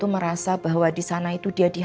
para adin dituduh